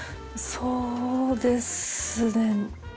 そうですね。